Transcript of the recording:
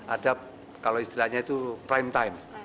ada kalau istilahnya itu prime time